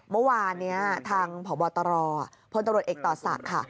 เมื่อวานนี้ทางผอบตรพลตรเอกตอสักค่ะ